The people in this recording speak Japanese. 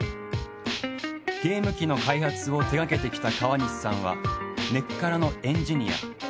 ゲーム機の開発を手がけてきた川西さんは根っからのエンジニア。